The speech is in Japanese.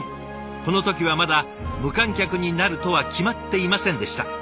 この時はまだ無観客になるとは決まっていませんでした。